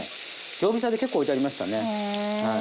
常備菜で結構置いてありましたね。